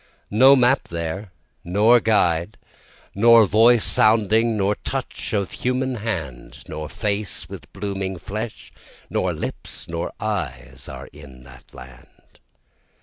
No map there, nor guide, Nor voice sounding, nor touch of human hand, Nor face with blooming flesh, nor lips, nor eyes, are in that land.